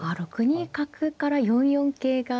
６二角から４四桂が。